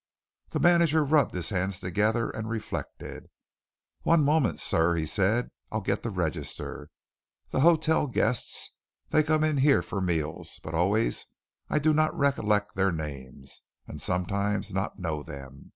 The manager rubbed his hands together and reflected. "One moment, sir," he said. "I get the register. The hotel guests, they come in here for meals, but always I do not recollect their names, and sometimes not know them.